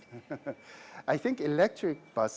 saya pikir truk elektrik akan datang